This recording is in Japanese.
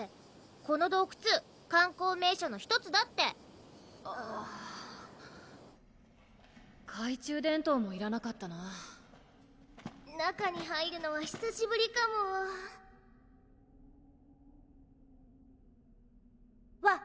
この洞窟観光名所の１つだって懐中電灯もいらなかったな中に入るのはひさしぶりかもわっ！